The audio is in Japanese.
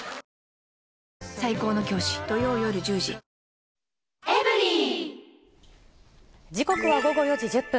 ニトリ時刻は午後４時１０分。